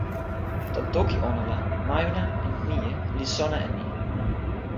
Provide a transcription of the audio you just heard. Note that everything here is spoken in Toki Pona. tan toki ona la, majuna en mije li sona e ni: